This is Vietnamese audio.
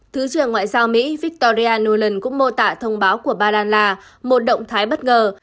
thứ trưởng ngoại giao mỹ victoria nuland cũng mô tả thông báo của bà lan là một động thái bất ngờ